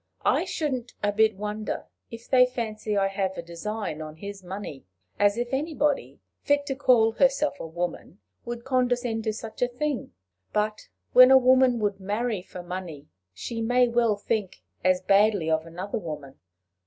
I shouldn't a bit wonder if they fancy I have a design on his money as if anybody fit to call herself a woman would condescend to such a thing! But when a woman would marry for money, she may well think as badly of another woman."